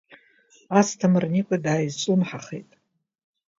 Асҭамыр Никәа дааизҿлымҳахеит.